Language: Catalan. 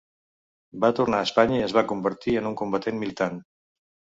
Va tornar a Espanya i es va convertir en un combatent militant.